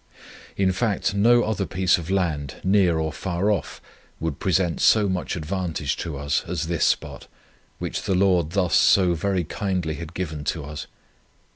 In fact, no other piece of land, near or far off, would present so much advantage to us, as this spot, which the Lord thus so very kindly had given to us.